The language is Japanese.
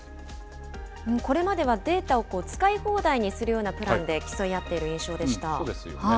これまではデータを使い放題にするようなプランで競い合ってそうですよね。